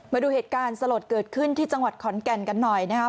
มาดูเหตุการณ์สลดเกิดขึ้นที่จังหวัดขอนแก่นกันหน่อยนะครับ